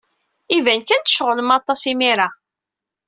Iban kan tceɣlem aṭas imir-a.